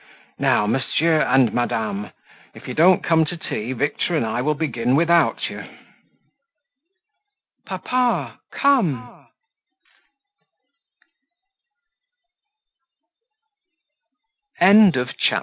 Now, Monsieur and Madame, if you don't come to tea, Victor and I will begin without you." "Papa, come!"